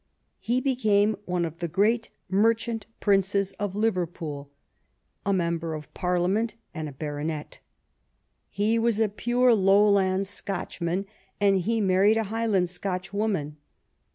He be came one of the great merchant princes of Liver pool, a member of Parliament, and a baronet. He was a pure Lowland Scotchman, and he married a Highland Scotch woman.